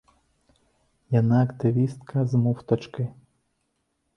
Яна актывістка з муфтачкай.